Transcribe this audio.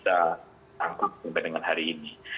tidak bisa tangkap sebanding dengan hari ini